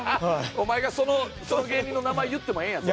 お前がその芸人の名前言ってもええんやぞ？